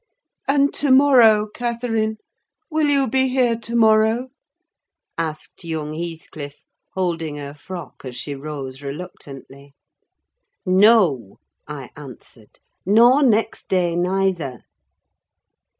"And to morrow, Catherine, will you be here to morrow?" asked young Heathcliff, holding her frock as she rose reluctantly. "No," I answered, "nor next day neither."